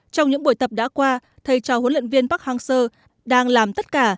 trong những buổi tập đã qua thầy trò huấn luyện viên park hang seo đang làm tất cả